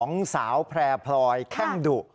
ของสาวแพร่พลอยแข้งดุ